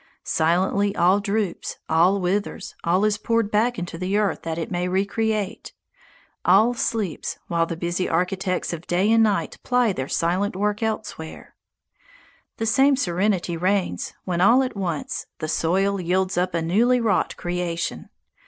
Silently all droops, all withers, all is poured back into the earth that it may recreate; all sleeps while the busy architects of day and night ply their silent work elsewhere. The same serenity reigns when all at once the soil yields up a newly wrought creation.